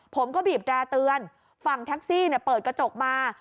ผมก็บีบแร่เตือนฝั่งแท็กซี่เปิดกระจกมา